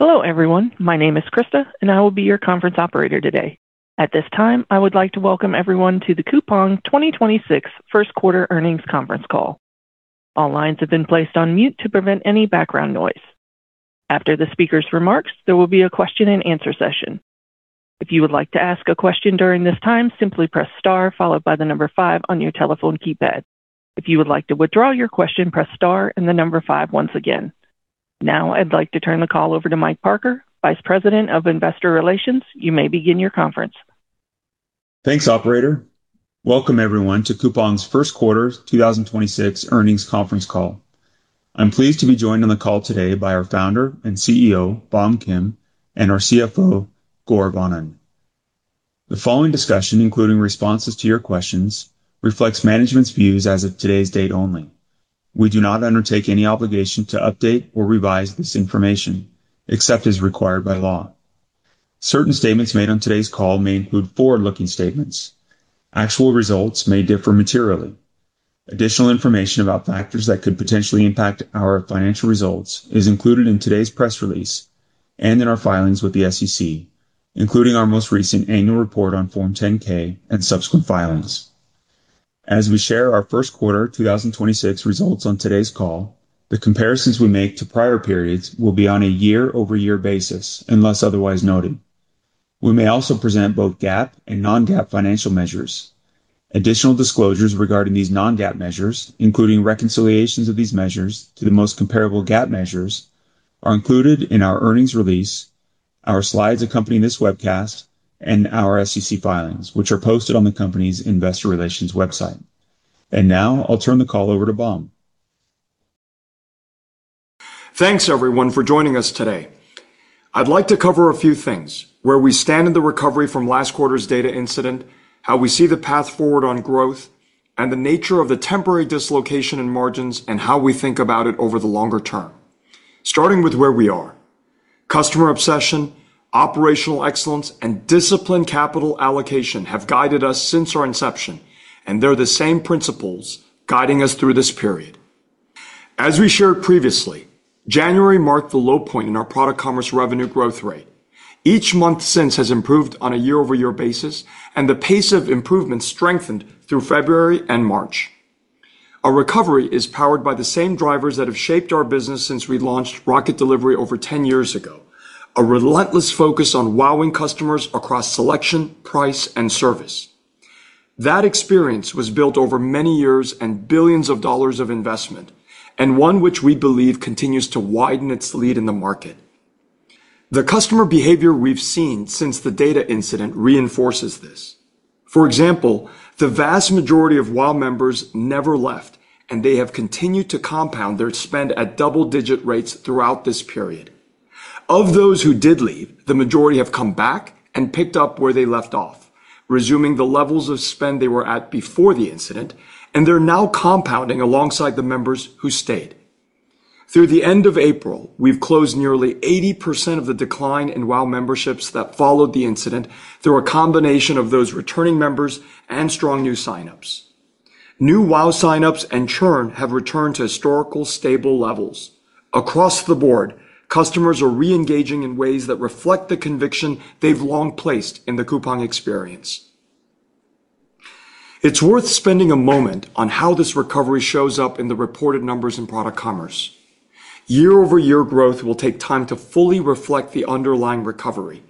Hello everyone. My name is Krista and I will be your conference operator today. At this time, I would like to welcome everyone to the Coupang 2026 first quarter earnings conference call. All lines have been placed on mute to prevent any background noise. After the speaker's remarks, there will be a question and answer session. If you would like to ask a question during this time, simply press star followed by the number five on your telephone keypad. If you would like to withdraw your question, press star and the number five once again. Now I'd like to turn the call over to Michael Parker, Vice President of Investor Relations. You may begin your conference. Thanks, operator. Welcome everyone to Coupang's first quarter 2026 earnings conference call. I'm pleased to be joined on the call today by our Founder and CEO, Bom Kim, and our CFO, Gaurav Anand. The following discussion, including responses to your questions, reflects management's views as of today's date only. We do not undertake any obligation to update or revise this information, except as required by law. Certain statements made on today's call may include forward-looking statements. Actual results may differ materially. Additional information about factors that could potentially impact our financial results is included in today's press release and in our filings with the SEC, including our most recent annual report on Form 10-K and subsequent filings. As we share our first quarter 2026 results on today's call, the comparisons we make to prior periods will be on a year-over-year basis, unless otherwise noted. We may also present both GAAP and non-GAAP financial measures. Additional disclosures regarding these non-GAAP measures, including reconciliations of these measures to the most comparable GAAP measures, are included in our earnings release, our slides accompanying this webcast, and our SEC filings, which are posted on the company's investor relations website. Now I'll turn the call over to Bom. Thanks everyone for joining us today. I'd like to cover a few things, where we stand in the recovery from last quarter's data incident, how we see the path forward on growth, and the nature of the temporary dislocation in margins and how we think about it over the longer term. Starting with where we are. Customer obsession, operational excellence, and disciplined capital allocation have guided us since our inception, and they're the same principles guiding us through this period. As we shared previously, January marked the low point in our product commerce revenue growth rate. Each month since has improved on a year-over-year basis, and the pace of improvement strengthened through February and March. Our recovery is powered by the same drivers that have shaped our business since we launched Rocket Delivery over 10 years ago. A relentless focus on wowing customers across selection, price, and service. That experience was built over many years and billions of dollars of investment, and one which we believe continues to widen its lead in the market. The customer behavior we've seen since the data incident reinforces this. For example, the vast majority of WOW members never left, and they have continued to compound their spend at double-digit rates throughout this period. Of those who did leave, the majority have come back and picked up where they left off, resuming the levels of spend they were at before the incident, and they're now compounding alongside the members who stayed. Through the end of April, we've closed nearly 80% of the decline in WOW memberships that followed the incident through a combination of those returning members and strong new signups. New WOW signups and churn have returned to historical stable levels. Across the board, customers are re-engaging in ways that reflect the conviction they've long placed in the Coupang experience. It's worth spending a moment on how this recovery shows up in the reported numbers in product commerce. Year-over-year growth will take time to fully reflect the underlying recovery.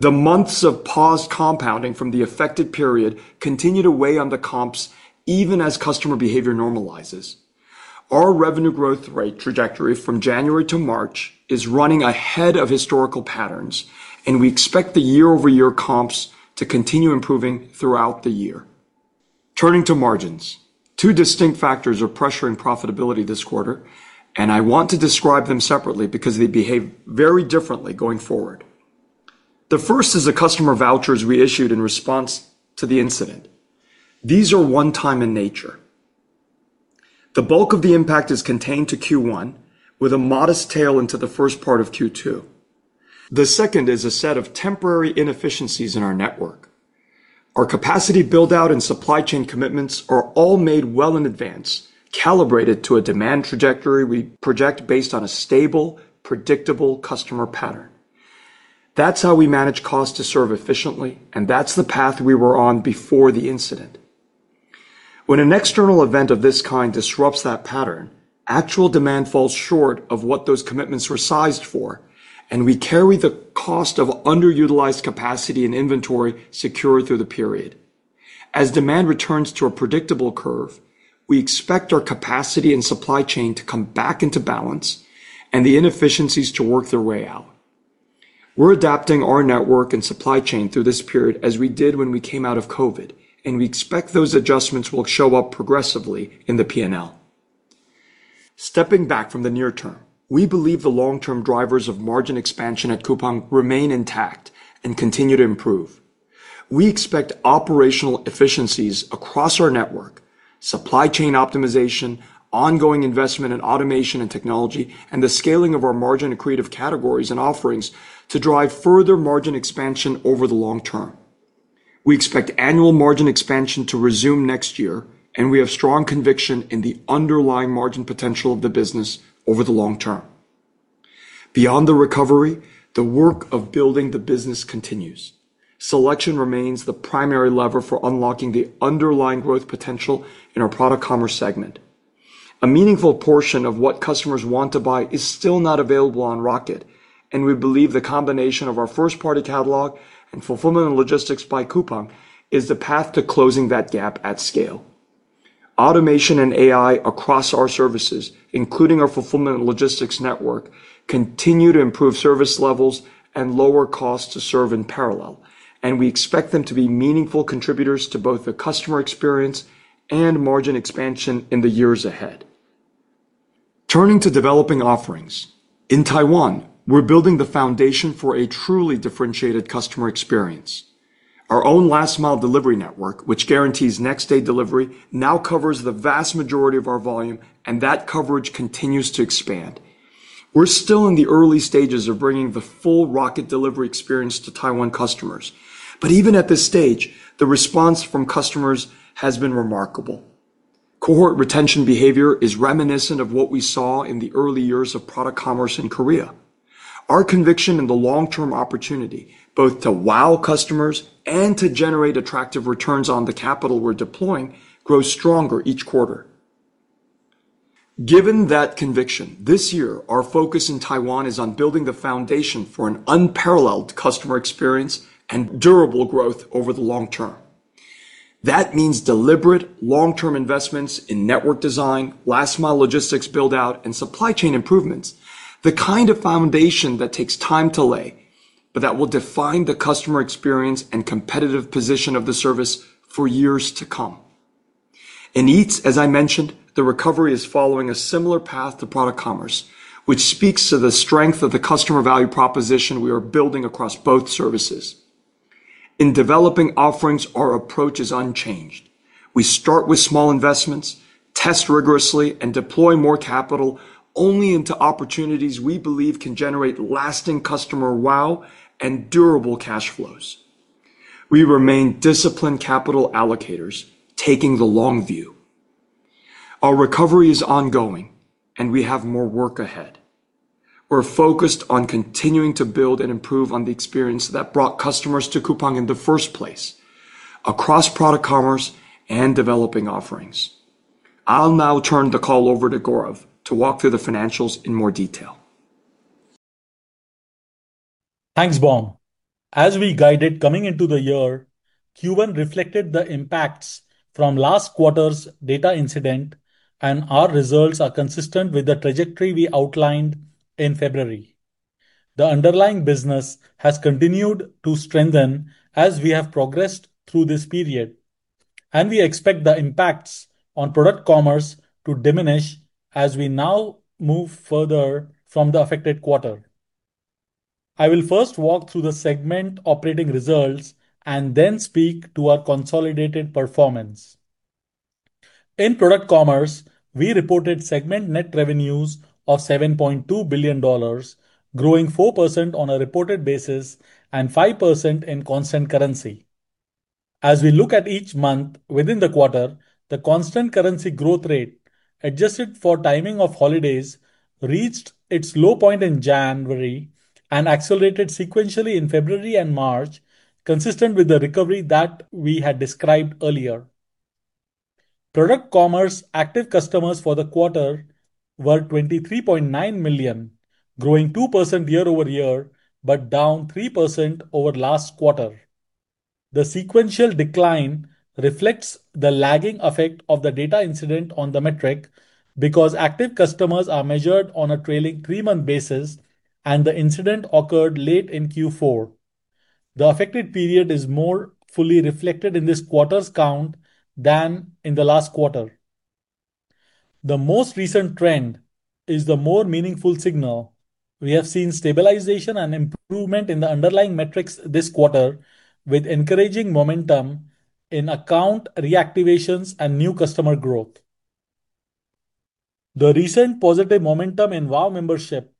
The months of paused compounding from the affected period continue to weigh on the comps even as customer behavior normalizes. Our revenue growth rate trajectory from January to March is running ahead of historical patterns. We expect the year-over-year comps to continue improving throughout the year. Turning to margins. Two distinct factors are pressuring profitability this quarter. I want to describe them separately because they behave very differently going forward. The first is the customer vouchers we issued in response to the incident. These are one time in nature. The bulk of the impact is contained to Q1, with a modest tail into the first part of Q2. The second is a set of temporary inefficiencies in our network. Our capacity build-out and supply chain commitments are all made well in advance, calibrated to a demand trajectory we project based on a stable, predictable customer pattern. That's how we manage cost to serve efficiently, and that's the path we were on before the incident. When an external event of this kind disrupts that pattern, actual demand falls short of what those commitments were sized for, and we carry the cost of underutilized capacity and inventory secure through the period. As demand returns to a predictable curve, we expect our capacity and supply chain to come back into balance and the inefficiencies to work their way out. We're adapting our network and supply chain through this period as we did when we came out of COVID, and we expect those adjustments will show up progressively in the P&L. Stepping back from the near term, we believe the long-term drivers of margin expansion at Coupang remain intact and continue to improve. We expect operational efficiencies across our network, supply chain optimization, ongoing investment in automation and technology, and the scaling of our margin and creative categories and offerings to drive further margin expansion over the long term. We expect annual margin expansion to resume next year, and we have strong conviction in the underlying margin potential of the business over the long term. Beyond the recovery, the work of building the business continues. Selection remains the primary lever for unlocking the underlying growth potential in our product commerce segment. A meaningful portion of what customers want to buy is still not available on Rocket. We believe the combination of our first-party catalog and Fulfillment Logistics by Coupang is the path to closing that gap at scale. Automation and AI across our services, including our fulfillment logistics network, continue to improve service levels and lower costs to serve in parallel. We expect them to be meaningful contributors to both the customer experience and margin expansion in the years ahead. Turning to developing offerings. In Taiwan, we're building the foundation for a truly differentiated customer experience. Our own last mile delivery network, which guarantees next-day delivery, now covers the vast majority of our volume. That coverage continues to expand. We're still in the early stages of bringing the full Rocket Delivery experience to Taiwan customers. Even at this stage, the response from customers has been remarkable. Cohort retention behavior is reminiscent of what we saw in the early years of product commerce in Korea. Our conviction in the long-term opportunity, both to wow customers and to generate attractive returns on the capital we're deploying, grows stronger each quarter. Given that conviction, this year our focus in Taiwan is on building the foundation for an unparalleled customer experience and durable growth over the long term. That means deliberate long-term investments in network design, last mile logistics build-out, and supply chain improvements, the kind of foundation that takes time to lay, but that will define the customer experience and competitive position of the service for years to come. In Eats, as I mentioned, the recovery is following a similar path to product commerce, which speaks to the strength of the customer value proposition we are building across both services. In developing offerings, our approach is unchanged. We start with small investments, test rigorously, and deploy more capital only into opportunities we believe can generate lasting customer wow and durable cash flows. We remain disciplined capital allocators taking the long view. Our recovery is ongoing, and we have more work ahead. We're focused on continuing to build and improve on the experience that brought customers to Coupang in the first place across product commerce and developing offerings. I'll now turn the call over to Gaurav to walk through the financials in more detail. Thanks, Bom. As we guided coming into the year, Q1 reflected the impacts from last quarter's data incident, and our results are consistent with the trajectory we outlined in February. The underlying business has continued to strengthen as we have progressed through this period, and we expect the impacts on Product commerce to diminish as we now move further from the affected quarter. I will first walk through the segment operating results and then speak to our consolidated performance. In Product commerce, we reported segment net revenues of $7.2 billion, growing 4% on a reported basis and 5% in constant currency. As we look at each month within the quarter, the constant currency growth rate, adjusted for timing of holidays, reached its low point in January and accelerated sequentially in February and March, consistent with the recovery that we had described earlier. Product commerce active customers for the quarter were 23.9 million, growing 2% year-over-year but down 3% over last quarter. The sequential decline reflects the lagging effect of the data incident on the metric because active customers are measured on a trailing three-month basis, and the incident occurred late in Q4. The affected period is more fully reflected in this quarter's count than in the last quarter. The most recent trend is the more meaningful signal. We have seen stabilization and improvement in the underlying metrics this quarter, with encouraging momentum in account reactivations and new customer growth. The recent positive momentum in WOW membership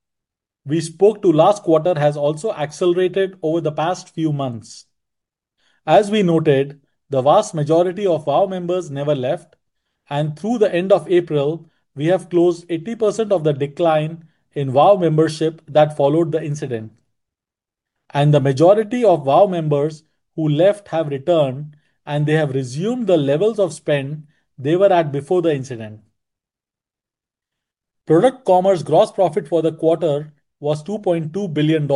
we spoke to last quarter has also accelerated over the past few months. As we noted, the vast majority of WOW members never left, and through the end of April, we have closed 80% of the decline in WOW membership that followed the incident. The majority of WOW members who left have returned, and they have resumed the levels of spend they were at before the incident. Product commerce gross profit for the quarter was $2.2 billion,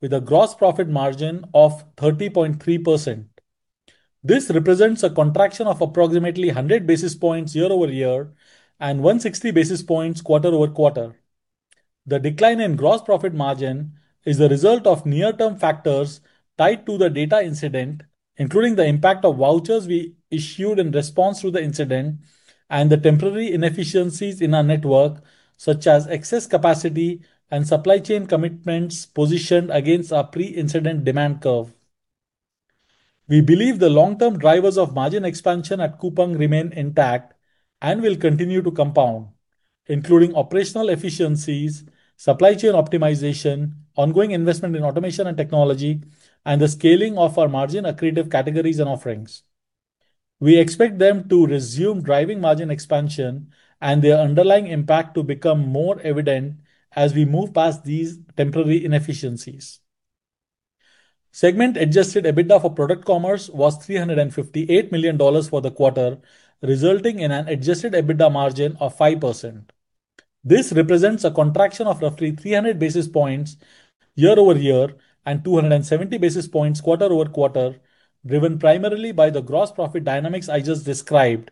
with a gross profit margin of 30.3%. This represents a contraction of approximately 100 basis points year-over-year and 160 basis points quarter-over-quarter. The decline in gross profit margin is the result of near-term factors tied to the data incident, including the impact of vouchers we issued in response to the incident and the temporary inefficiencies in our network, such as excess capacity and supply chain commitments positioned against our pre-incident demand curve. We believe the long-term drivers of margin expansion at Coupang remain intact and will continue to compound, including operational efficiencies, supply chain optimization, ongoing investment in automation and technology, and the scaling of our margin accretive categories and offerings. We expect them to resume driving margin expansion and their underlying impact to become more evident as we move past these temporary inefficiencies. Segment Adjusted EBITDA for Product Commerce was $358 million for the quarter, resulting in an Adjusted EBITDA margin of 5%. This represents a contraction of roughly 300 basis points year-over-year and 270 basis points quarter-over-quarter, driven primarily by the gross profit dynamics I just described,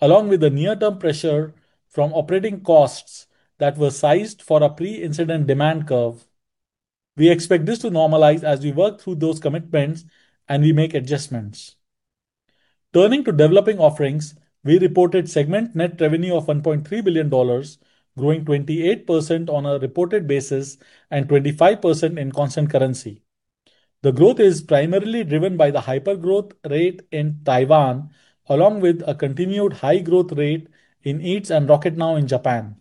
along with the near-term pressure from operating costs that were sized for a pre-incident demand curve. We expect this to normalize as we work through those commitments and we make adjustments. Turning to Developing Offerings, we reported segment net revenue of $1.3 billion, growing 28% on a reported basis and 25% in constant currency. The growth is primarily driven by the hypergrowth rate in Taiwan along with a continued high growth rate in Eats and Rocket Now in Japan.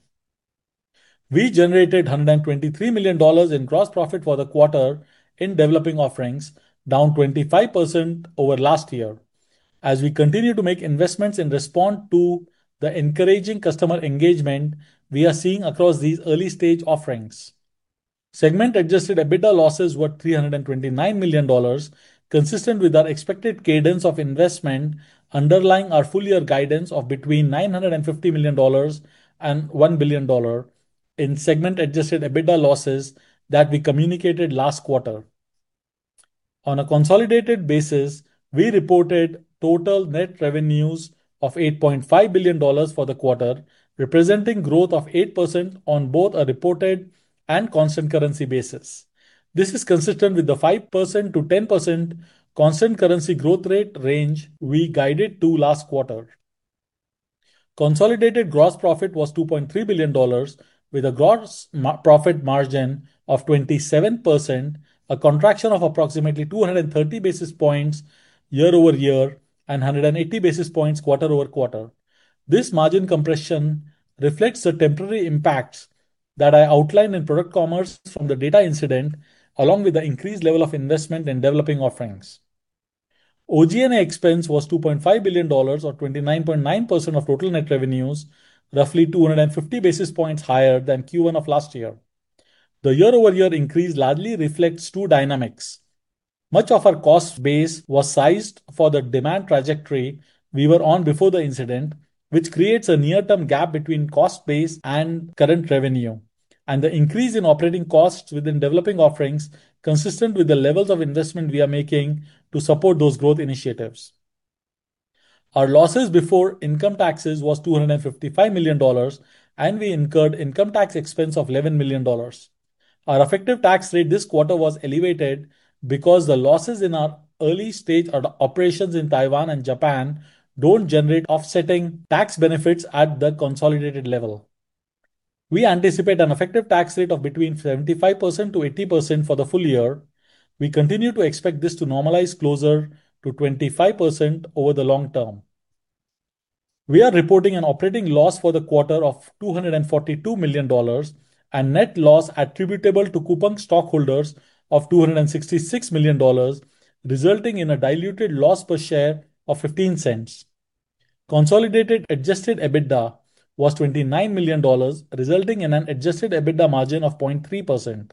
We generated $123 million in gross profit for the quarter in Developing Offerings, down 25% over last year. As we continue to make investments in response to the encouraging customer engagement we are seeing across these early-stage offerings. Segment Adjusted EBITDA losses were $329 million, consistent with our expected cadence of investment underlying our full year guidance of between $950 million and $1 billion in segment Adjusted EBITDA losses that we communicated last quarter. On a consolidated basis, we reported total net revenues of $8.5 billion for the quarter, representing growth of 8% on both a reported and constant currency basis. This is consistent with the 5%-10% constant currency growth rate range we guided to last quarter. Consolidated gross profit was $2.3 billion with a gross profit margin of 27%, a contraction of approximately 230 basis points year-over-year and 180 basis points quarter-over-quarter. This margin compression reflects the temporary impacts that I outlined in product commerce from the data incident, along with the increased level of investment in developing offerings. OG&A expense was $2.5 billion or 29.9% of total net revenues, roughly 250 basis points higher than Q1 of last year. The year-over-year increase largely reflects two dynamics. Much of our cost base was sized for the demand trajectory we were on before the incident, which creates a near-term gap between cost base and current revenue, and the increase in operating costs within developing offerings, consistent with the levels of investment we are making to support those growth initiatives. Our losses before income taxes was $255 million, and we incurred income tax expense of $11 million. Our effective tax rate this quarter was elevated because the losses in our early stage are the operations in Taiwan and Japan don't generate offsetting tax benefits at the consolidated level. We anticipate an effective tax rate of between 75%-80% for the full year. We continue to expect this to normalize closer to 25% over the long term. We are reporting an operating loss for the quarter of $242 million and net loss attributable to Coupang stockholders of $266 million, resulting in a diluted loss per share of $0.15. Consolidated Adjusted EBITDA was $29 million, resulting in an Adjusted EBITDA margin of 0.3%.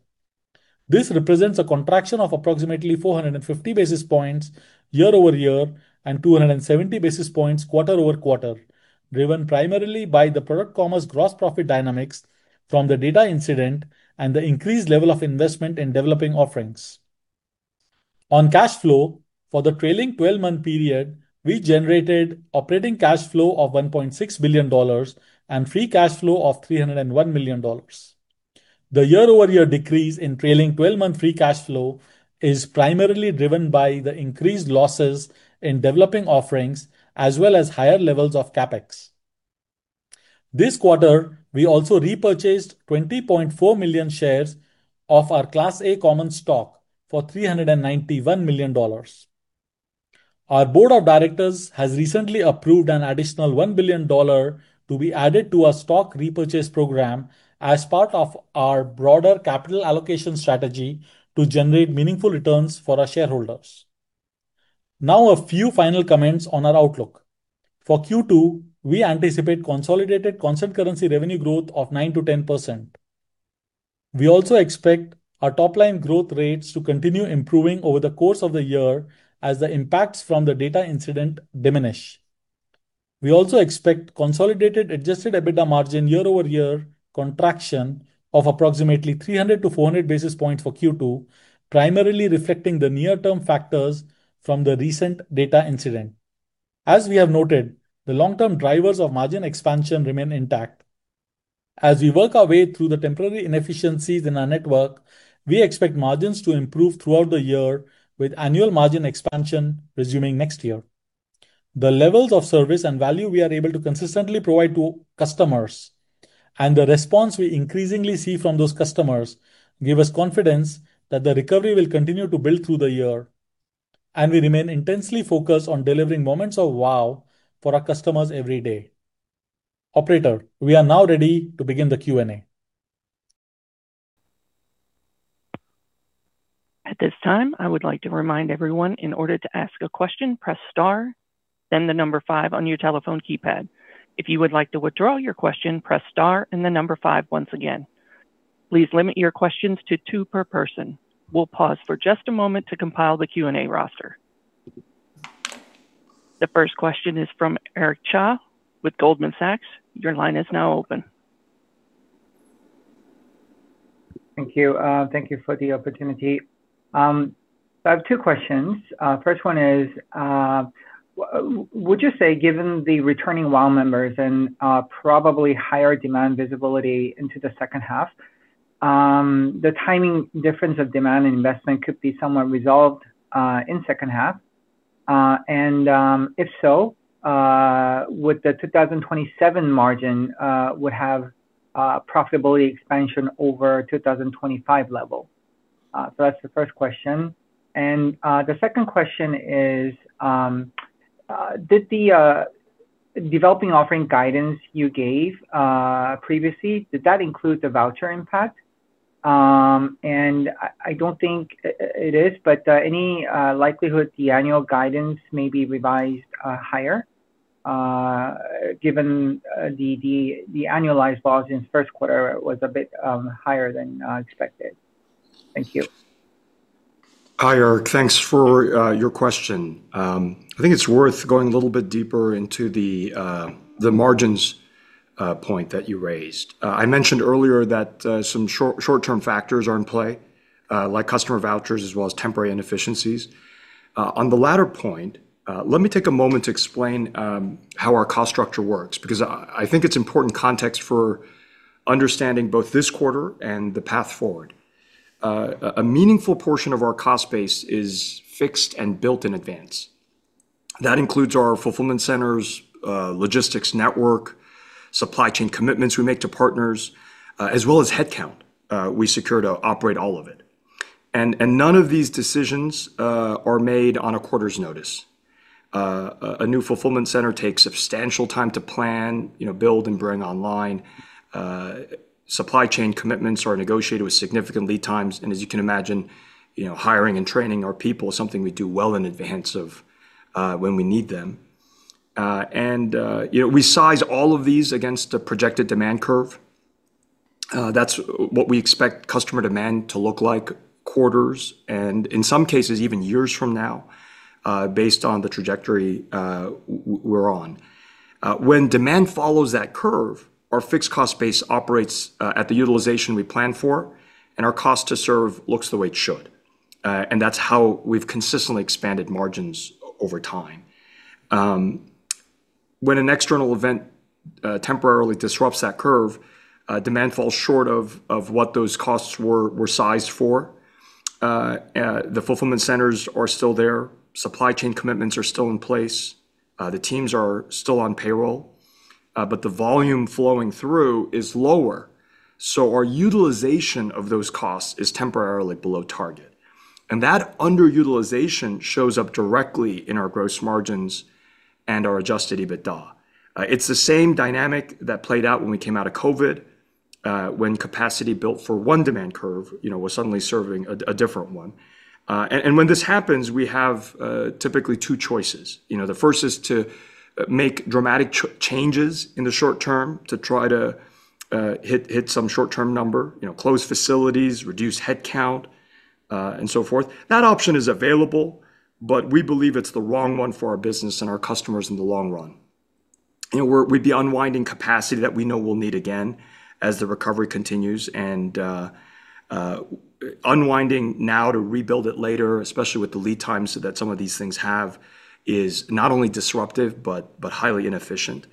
This represents a contraction of approximately 450 basis points year-over-year and 270 basis points quarter-over-quarter, driven primarily by the product commerce gross profit dynamics from the data incident and the increased level of investment in developing offerings. On cash flow, for the trailing 12-month period, we generated operating cash flow of $1.6 billion and free cash flow of $301 million. The year-over-year decrease in trailing 12-month free cash flow is primarily driven by the increased losses in developing offerings as well as higher levels of CapEx. This quarter, we also repurchased 20.4 million shares of our Class A common stock for $391 million. Our board of directors has recently approved an additional $1 billion to be added to our stock repurchase program as part of our broader capital allocation strategy to generate meaningful returns for our shareholders. Now, a few final comments on our outlook. For Q2, we anticipate consolidated constant currency revenue growth of 9%-10%. We also expect our top-line growth rates to continue improving over the course of the year as the impacts from the data incident diminish. We also expect consolidated Adjusted EBITDA margin year-over-year contraction of approximately 300 basis points-400 basis points for Q2, primarily reflecting the near-term factors from the recent data incident. As we have noted, the long-term drivers of margin expansion remain intact. As we work our way through the temporary inefficiencies in our network, we expect margins to improve throughout the year with annual margin expansion resuming next year. The levels of service and value we are able to consistently provide to customers and the response we increasingly see from those customers give us confidence that the recovery will continue to build through the year. We remain intensely focused on delivering moments of WOW for our customers every day. Operator, we are now ready to begin the Q&A. At this time I would like to remaind everyone in order to ask a question, press star then number five on your telephone keypad. If you want to withdraw your question, press star then number five once again. Please limit your question to two question per person. The first question is from Eric Cha with Goldman Sachs. Your line is now open. Thank you. Thank you for the opportunity. I have two questions. First one is, would you say, given the returning WOW members and probably higher demand visibility into the second half, the timing difference of demand and investment could be somewhat resolved in second half? If so, would the 2027 margin would have profitability expansion over 2025 level? That's the first question. The second question is, did the developing offering guidance you gave previously, did that include the voucher impact? I don't think it is, any likelihood the annual guidance may be revised higher, given the annualized volumes first quarter was a bit higher than expected. Thank you. Hi, Eric. Thanks for your question. I think it's worth going a little bit deeper into the margins point that you raised. I mentioned earlier that some short-term factors are in play, like customer vouchers as well as temporary inefficiencies. On the latter point, let me take a moment to explain how our cost structure works, because I think it's important context for understanding both this quarter and the path forward. A meaningful portion of our cost base is fixed and built in advance. That includes our fulfillment centers, logistics network, supply chain commitments we make to partners, as well as headcount we secure to operate all of it. None of these decisions are made on a quarter's notice. A new fulfillment center takes substantial time to plan, you know, build, and bring online. Supply chain commitments are negotiated with significant lead times. As you can imagine, you know, hiring and training our people is something we do well in advance of when we need them. You know, we size all of these against a projected demand curve. That's what we expect customer demand to look like quarters and, in some cases, even years from now, based on the trajectory we're on. When demand follows that curve, our fixed cost base operates at the utilization we plan for, and our cost to serve looks the way it should. That's how we've consistently expanded margins over time. When an external event temporarily disrupts that curve, demand falls short of what those costs were sized for. The fulfillment centers are still there. Supply chain commitments are still in place. The teams are still on payroll. The volume flowing through is lower, so our utilization of those costs is temporarily below target. That underutilization shows up directly in our gross margins and our Adjusted EBITDA. It's the same dynamic that played out when we came out of COVID, when capacity built for one demand curve, you know, was suddenly serving a different one. When this happens, we have typically two choices. You know, the first is to make dramatic changes in the short term to try to hit some short-term number. You know, close facilities, reduce headcount, and so forth. That option is available, but we believe it's the wrong one for our business and our customers in the long run. You know, we'd be unwinding capacity that we know we'll need again as the recovery continues and unwinding now to rebuild it later, especially with the lead times that some of these things have, is not only disruptive but highly inefficient.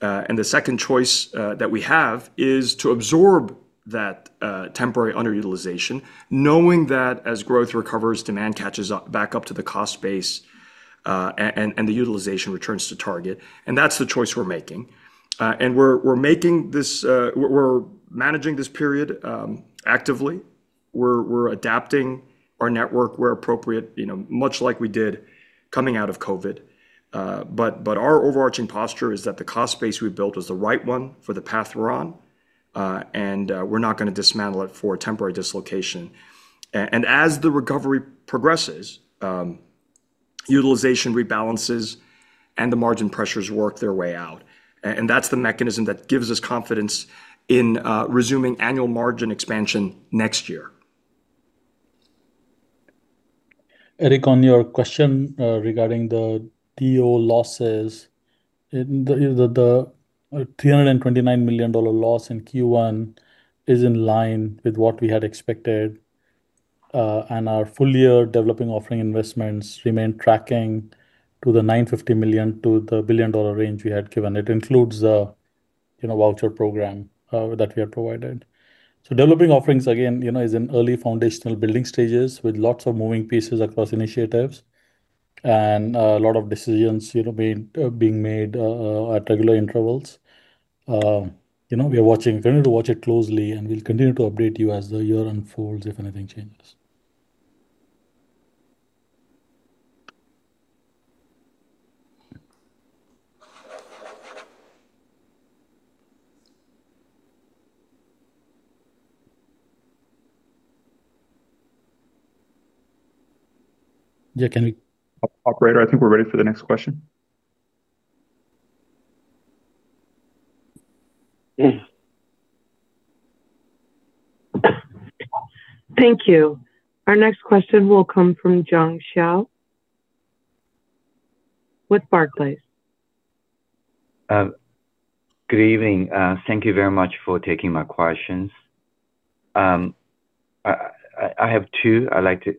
The second choice that we have is to absorb that temporary underutilization, knowing that as growth recovers, demand catches up back up to the cost base, and the utilization returns to target, and that's the choice we're making. We're making this. We're managing this period actively. We're adapting our network where appropriate, you know, much like we did coming out of COVID. Our overarching posture is that the cost base we built was the right one for the path we're on, and we're not gonna dismantle it for a temporary dislocation. As the recovery progresses, utilization rebalances and the margin pressures work their way out. That's the mechanism that gives us confidence in resuming annual margin expansion next year. Eric, on your question, regarding the DO losses, the $329 million loss in Q1 is in line with what we had expected. Our full year Developing Offering investments remain tracking to the $950 million to $1 billion range we had given. It includes, you know, voucher program that we have provided. Developing Offerings, again, you know, is in early foundational building stages with lots of moving pieces across initiatives. A lot of decisions, you know, being made at regular intervals. You know, we are watching, continuing to watch it closely, and will continue to update you as the year unfolds if anything changes. Operator, I think we're ready for the next question. Thank you. Our next question will come from Jiong Shao with Barclays. Good evening. Thank you very much for taking my questions. I have two. I'd like to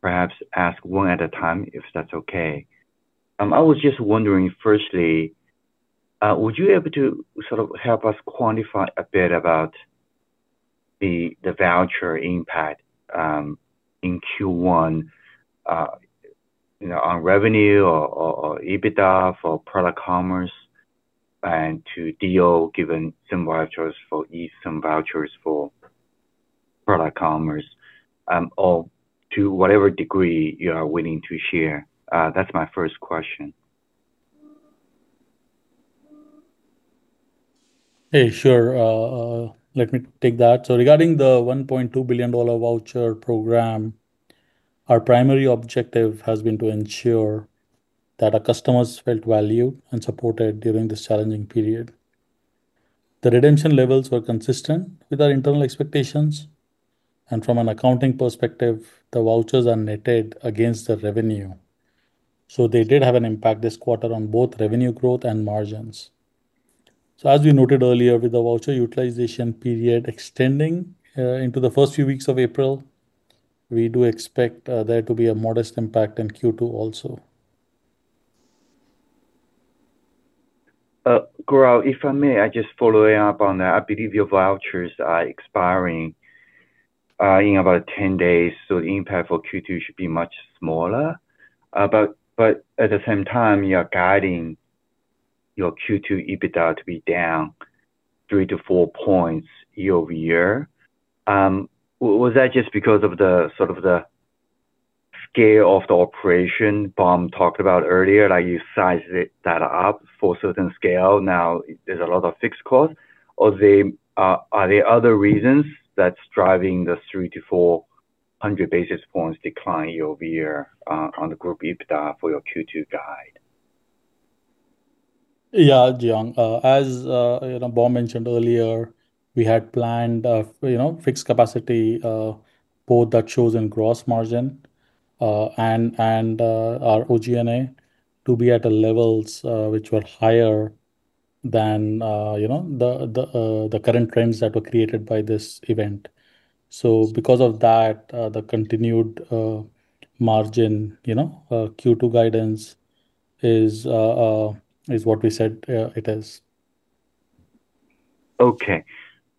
perhaps ask one at a time, if that's okay. I was just wondering, firstly, would you be able to sort of help us quantify a bit about the voucher impact, in Q1, you know, on revenue or EBITDA for Product Commerce and to deal, given some vouchers for Eats, some vouchers for Product Commerce, or to whatever degree you are willing to share? That's my first question. Hey. Sure. Let me take that. Regarding the $1.2 billion voucher program, our primary objective has been to ensure that our customers felt valued and supported during this challenging period. The redemption levels were consistent with our internal expectations, and from an accounting perspective, the vouchers are netted against the revenue. They did have an impact this quarter on both revenue growth and margins. As we noted earlier, with the voucher utilization period extending into the first few weeks of April, we do expect there to be a modest impact in Q2 also. Gaurav, if I may, I just following up on that. I believe your vouchers are expiring in about 10 days, so the impact for Q2 should be much smaller. At the same time, you're guiding your Q2 EBITDA to be down three to four points year-over-year. Was that just because of the sort of the scale of the operation Bom Kim talked about earlier, like you sized it that up for a certain scale, now there's a lot of fixed cost? Are there other reasons that's driving the 300 basis point-400 basis points decline year-over-year on the group EBITDA for your Q2 guide? Yeah, Jiong. As, you know, Bom mentioned earlier, we had planned, you know, fixed capacity, both the chosen gross margin and our OG&A to be at the levels which were higher than, you know, the current trends that were created by this event. Because of that, the continued margin, you know, Q2 guidance is what we said it is. Okay.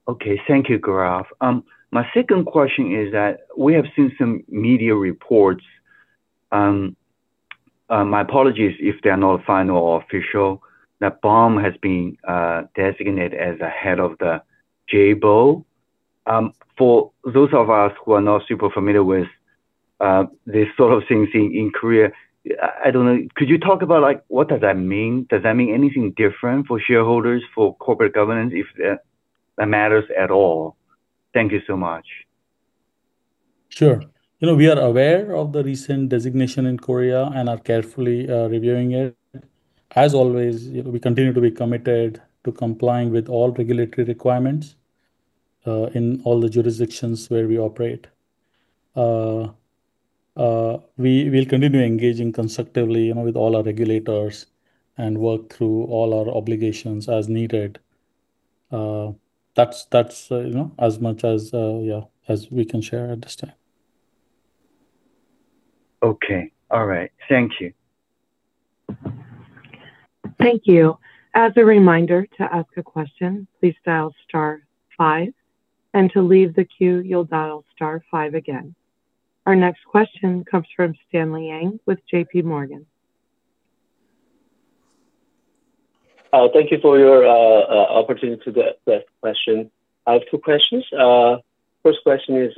Okay. Thank you, Gaurav. My second question is that we have seen some media reports, my apologies if they are not final or official, that Bom Kim has been designated as the head of the chaebol. For those of us who are not super familiar with these sort of things in Korea, I don't know, could you talk about, like, what does that mean? Does that mean anything different for shareholders, for corporate governance, if that matters at all? Thank you so much. Sure. You know, we are aware of the recent designation in Korea and are carefully reviewing it. As always, you know, we continue to be committed to complying with all regulatory requirements in all the jurisdictions where we operate. We'll continue engaging constructively, you know, with all our regulators and work through all our obligations as needed. That's, you know, as much as, yeah, as we can share at this time. Okay. All right. Thank you. Thank you. As a reminder, to ask a question, please dial star five, and to leave the queue, you'll dial star five again. Our next question comes from Stanley Yang with JPMorgan. Thank you for your opportunity to ask question. I have two questions. First question is,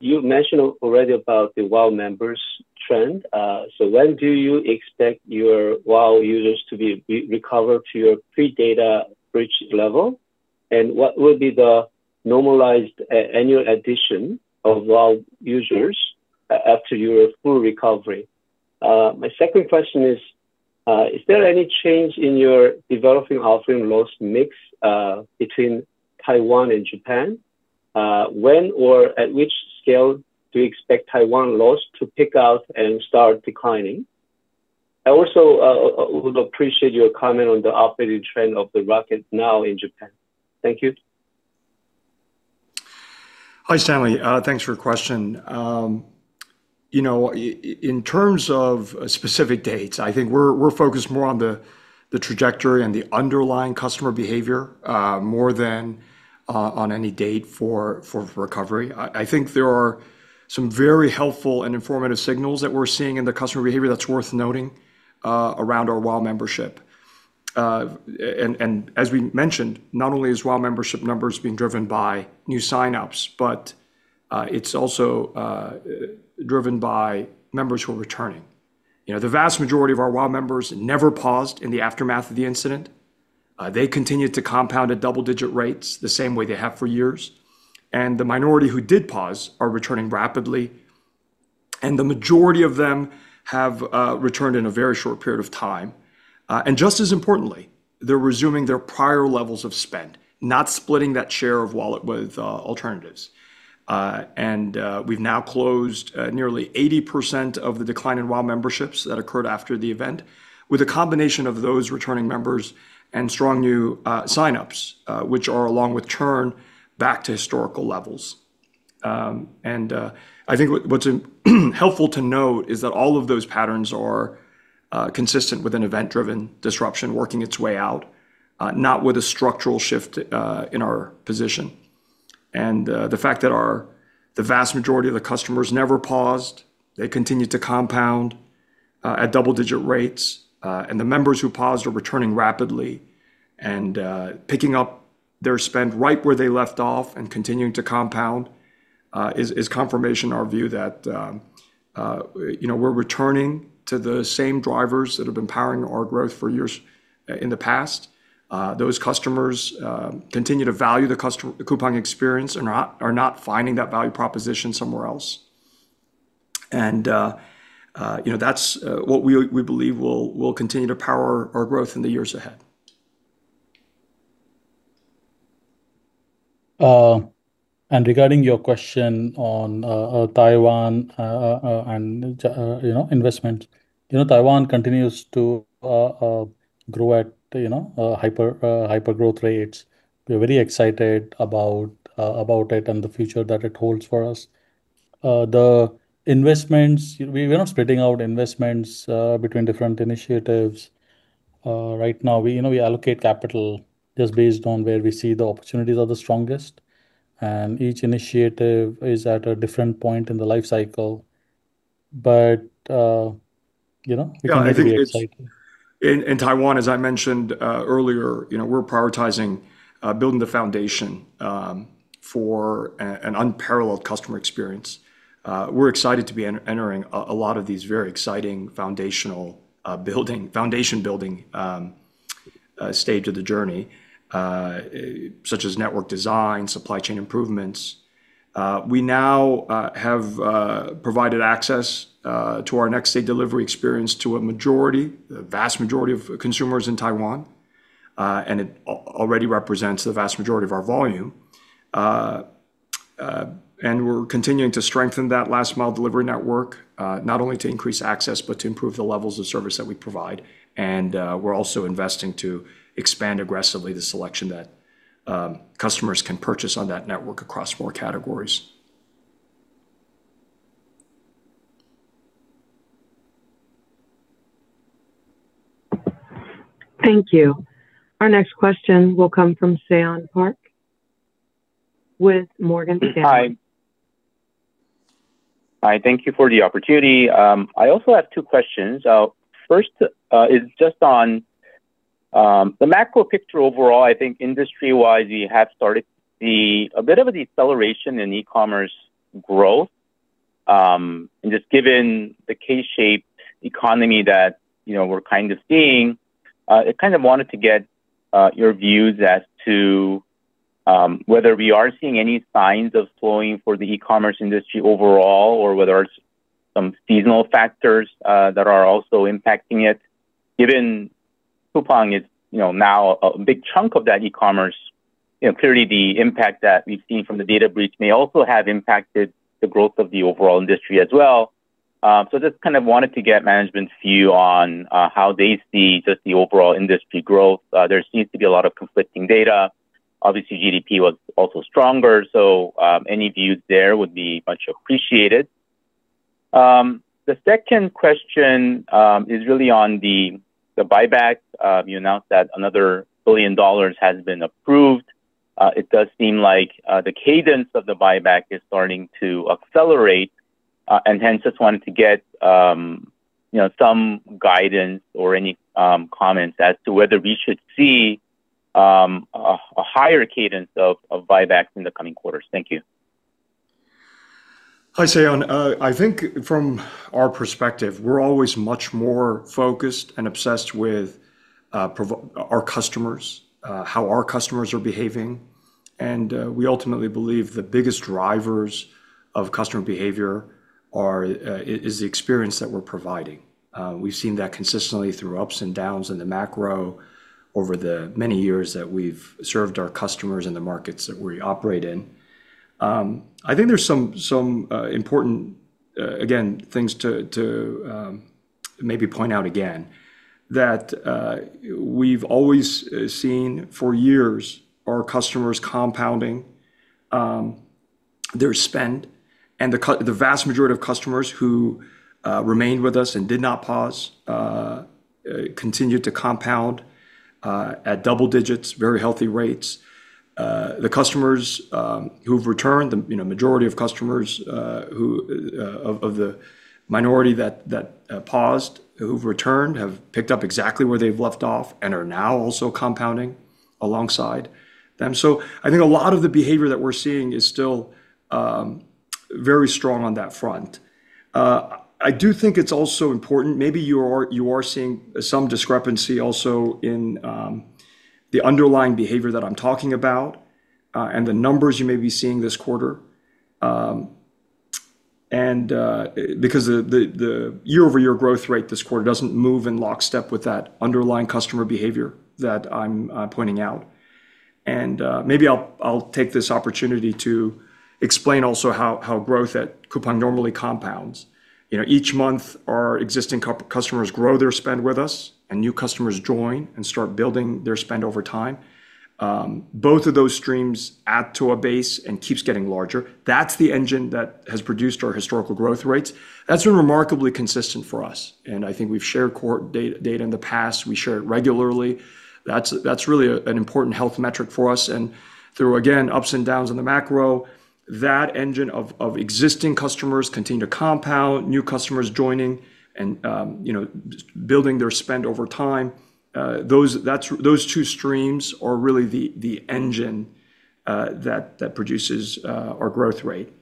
you mentioned already about the WOW members trend. When do you expect your WOW users to be recovered to your pre-data breach level? What will be the normalized annual addition of WOW users after your full recovery? My second question is there any change in your developing offering loss mix between Taiwan and Japan? When or at which scale do you expect Taiwan loss to peak out and start declining? I also would appreciate your comment on the operating trend of the Rocket Now in Japan. Thank you. Hi, Stanley. Thanks for your question. You know, in terms of specific dates, I think we're focused more on the trajectory and the underlying customer behavior, more than on any date for recovery. I think there are some very helpful and informative signals that we're seeing in the customer behavior that's worth noting around our WOW membership. As we mentioned, not only is WOW membership numbers being driven by new signups, but it's also driven by members who are returning. You know, the vast majority of our WOW members never paused in the aftermath of the incident. They continued to compound at double-digit rates the same way they have for years. The minority who did pause are returning rapidly, the majority of them have returned in a very short period of time. Just as importantly, they're resuming their prior levels of spend, not splitting that share of wallet with alternatives. We've now closed nearly 80% of the decline in WOW memberships that occurred after the event with a combination of those returning members and strong new signups, which are along with churn back to historical levels. I think what's helpful to note is that all of those patterns are consistent with an event-driven disruption working its way out, not with a structural shift in our position. The fact that the vast majority of the customers never paused, they continued to compound at double-digit rates. The members who paused are returning rapidly and picking up their spend right where they left off and continuing to compound is confirmation our view that, you know, we're returning to the same drivers that have been powering our growth for years in the past. Those customers continue to value the Coupang experience and are not finding that value proposition somewhere else. You know, that's what we believe will continue to power our growth in the years ahead. Regarding your question on Taiwan and, you know, investment. You know, Taiwan continues to grow at, you know, hypergrowth rates. We're very excited about it and the future that it holds for us. The investments, we're not spreading out investments between different initiatives right now. We, you know, we allocate capital just based on where we see the opportunities are the strongest, and each initiative is at a different point in the life cycle. You know, we continue to be excited. Yeah, I think it's in Taiwan, as I mentioned earlier, you know, we're prioritizing building the foundation for an unparalleled customer experience. We're excited to be entering a lot of these very exciting foundational, foundation building stage of the journey, such as network design, supply chain improvements. We now have provided access to our next-day delivery experience to a vast majority of consumers in Taiwan. It already represents the vast majority of our volume. We're continuing to strengthen that last-mile delivery network, not only to increase access, but to improve the levels of service that we provide. We're also investing to expand aggressively the selection that customers can purchase on that network across more categories. Thank you. Our next question will come from Seyon Park with Morgan Stanley. Hi. Hi, thank you for the opportunity. I also have two questions. First, is just on the macro picture overall. I think industry-wise, we have started to see a bit of a deceleration in e-commerce growth. Just given the K-shaped economy that, you know, we're kind of seeing, I kind of wanted to get your views as to whether we are seeing any signs of slowing for the e-commerce industry overall or whether it's some seasonal factors that are also impacting it. Given Coupang is, you know, now a big chunk of that e-commerce, you know, clearly the impact that we've seen from the data breach may also have impacted the growth of the overall industry as well. Just kind of wanted to get management's view on how they see just the overall industry growth. There seems to be a lot of conflicting data. Obviously, GDP was also stronger, so any views there would be much appreciated. The second question is really on the buybacks. You announced that another $1 billion has been approved. It does seem like the cadence of the buyback is starting to accelerate. Hence, just wanted to get, you know, some guidance or any comments as to whether we should see a higher cadence of buybacks in the coming quarters. Thank you. Hi, Seyon. I think from our perspective, we're always much more focused and obsessed with our customers, how our customers are behaving. We ultimately believe the biggest drivers of customer behavior are the experience that we're providing. We've seen that consistently through ups and downs in the macro over the many years that we've served our customers in the markets that we operate in. I think there's some important, again, things to maybe point out again that we've always seen for years our customers compounding their spend. The vast majority of customers who remained with us and did not pause continued to compound at double digits, very healthy rates. The customers, who've returned, the, you know, majority of customers, who of the minority that paused who've returned have picked up exactly where they've left off and are now also compounding. Alongside them. I think a lot of the behavior that we're seeing is still very strong on that front. I do think it's also important. Maybe you are seeing some discrepancy also in the underlying behavior that I'm talking about and the numbers you may be seeing this quarter because the year-over-year growth rate this quarter doesn't move in lockstep with that underlying customer behavior that I'm pointing out. Maybe I'll take this opportunity to explain also how growth at Coupang normally compounds. You know, each month our existing customers grow their spend with us, and new customers join and start building their spend over time. Both of those streams add to a base and keeps getting larger. That's the engine that has produced our historical growth rates. That's been remarkably consistent for us, and I think we've shared data in the past. We share it regularly. That's really an important health metric for us. And through, again, ups and downs in the macro, that engine of existing customers continue to compound, new customers joining and, you know, building their spend over time. Those two streams are really the engine that produces our growth rate.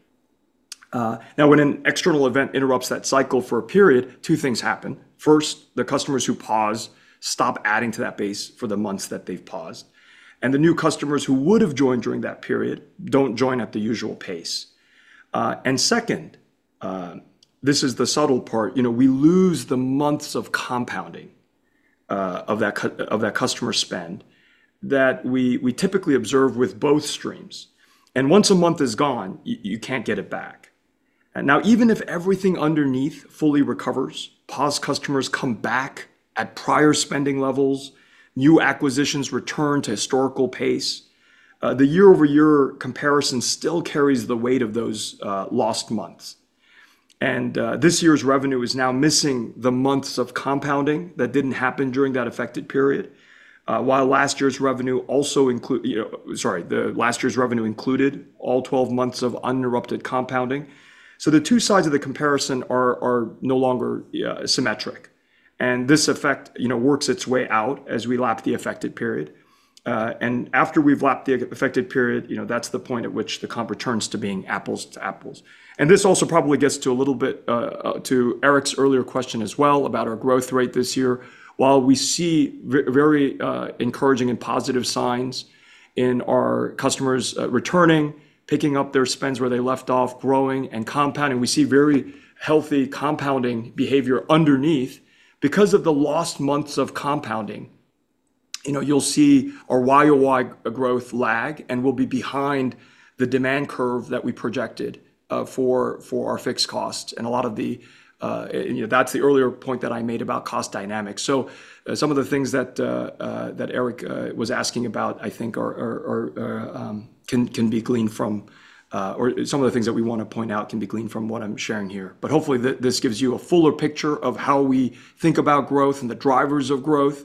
Now, when an external event interrupts that cycle for a period, two things happen. First, the customers who pause stop adding to that base for the months that they've paused, and the new customers who would have joined during that period don't join at the usual pace. Second, this is the subtle part, you know, we lose the months of compounding of that customer spend that we typically observe with both streams. Once a month is gone, you can't get it back. Now, even if everything underneath fully recovers, paused customers come back at prior spending levels, new acquisitions return to historical pace, the year-over-year comparison still carries the weight of those lost months. This year's revenue is now missing the months of compounding that didn't happen during that affected period. While last year's revenue also included all twelve months of uninterrupted compounding. The two sides of the comparison are no longer symmetric. This effect, you know, works its way out as we lap the affected period. After we've lapped the affected period, you know, that's the point at which the comp returns to being apples to apples. This also probably gets to a little bit to Eric's earlier question as well about our growth rate this year. While we see very encouraging and positive signs in our customers returning, picking up their spends where they left off, growing and compounding, we see very healthy compounding behavior underneath. Because of the lost months of compounding, you know, you'll see our year-over-year growth lag, and we'll be behind the demand curve that we projected for our fixed costs. A lot of the, you know, that's the earlier point that I made about cost dynamics. Some of the things that Eric was asking about, I think can be gleaned from or some of the things that we wanna point out can be gleaned from what I'm sharing here. Hopefully this gives you a fuller picture of how we think about growth and the drivers of growth.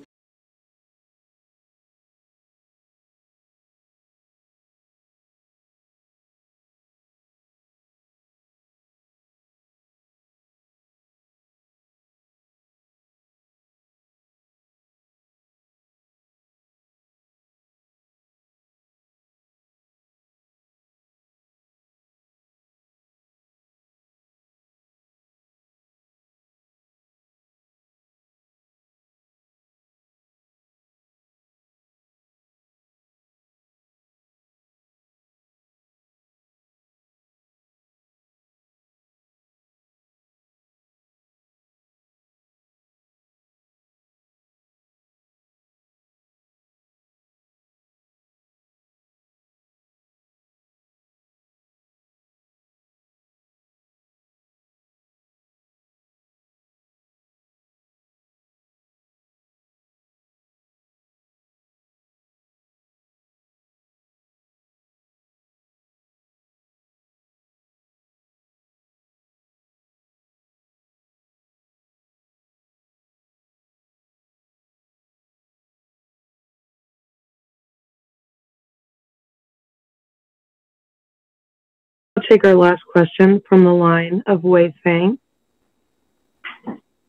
I'll take our last question from the line of Wei Fang.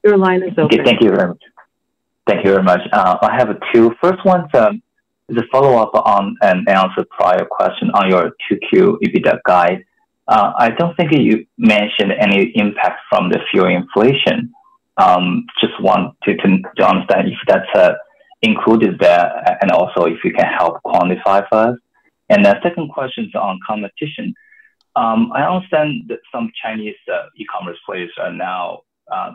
Your line is open. Okay. Thank you very much. Thank you very much. I have two. First one's just a follow-up on an answer to prior question on your 2Q EBITDA guide. I don't think you mentioned any impact from the fuel inflation. Just want to understand if that's included there and also if you can help quantify for us. The second question's on competition. I understand that some Chinese e-commerce players are now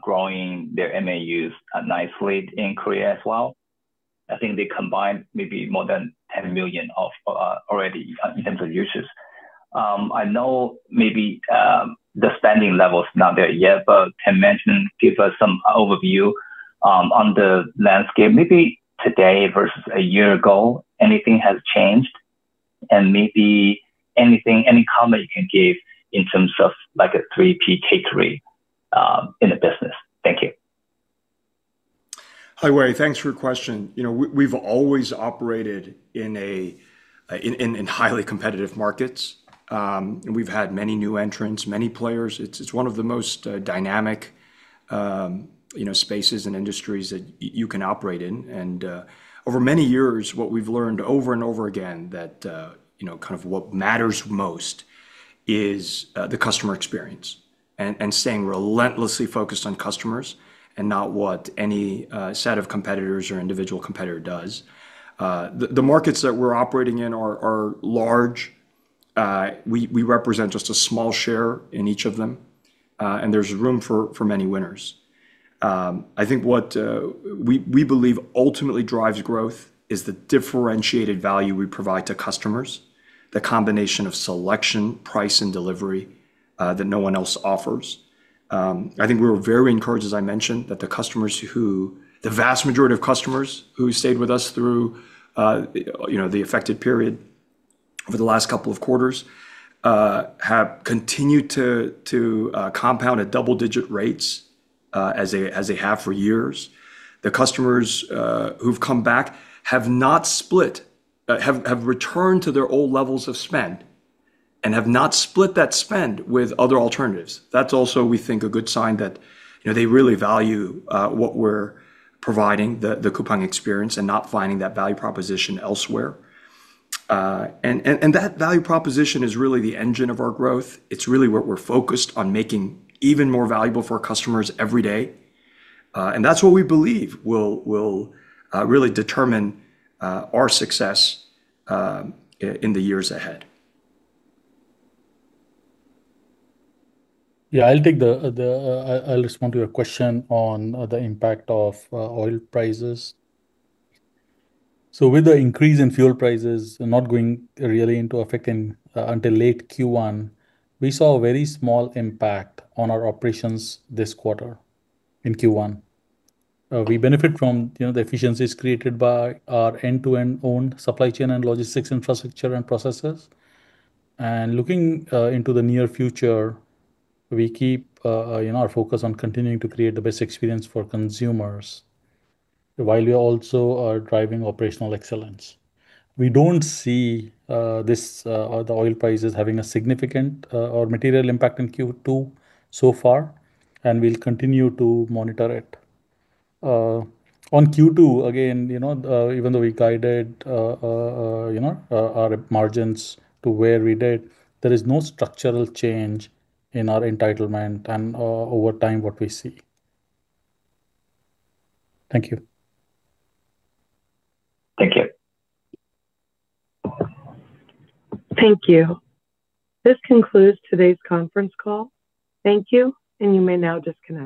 growing their MAUs nicely in Korea as well. I think they combine maybe more than 10 million already in terms of users. I know maybe, the spending level's not there yet, but can mention, give us some overview, on the landscape maybe today versus a year ago, anything has changed? Maybe anything, any comment you can give in terms of like a 3P take rate, in the business. Thank you. Hi, Wei. Thanks for your question. You know, we've always operated in a in highly competitive markets, we've had many new entrants, many players. It's one of the most dynamic, you know, spaces and industries that you can operate in. Over many years, what we've learned over and over again that, you know, kind of what matters most is the customer experience and staying relentlessly focused on customers and not what any set of competitors or individual competitor does. The markets that we're operating in are large. We represent just a small share in each of them, and there's room for many winners. I think what we believe ultimately drives growth is the differentiated value we provide to customers, the combination of selection, price, and delivery that no one else offers. I think we were very encouraged, as I mentioned, that the vast majority of customers who stayed with us through, you know, the affected period over the last couple of quarters have continued to compound at double digit rates as they have for years. The customers who've come back have not split, have returned to their old levels of spend and have not split that spend with other alternatives. That's also, we think, a good sign that, you know, they really value what we're providing, the Coupang experience, and not finding that value proposition elsewhere. That value proposition is really the engine of our growth. It's really what we're focused on making even more valuable for our customers every day. That's what we believe will really determine our success in the years ahead. I'll respond to your question on the impact of oil prices. With the increase in fuel prices not going really into effect until late Q1, we saw a very small impact on our operations this quarter in Q1. We benefit from, you know, the efficiencies created by our end-to-end owned supply chain and logistics infrastructure and processes. Looking into the near future, we keep, you know, our focus on continuing to create the best experience for consumers while we also are driving operational excellence. We don't see this or the oil prices having a significant or material impact in Q2 so far, and we'll continue to monitor it. On Q2, again, you know, even though we guided, you know, our margins to where we did, there is no structural change in our entitlement and over time what we see. Thank you. Thank you. Thank you. This concludes today's conference call. Thank you, and you may now disconnect.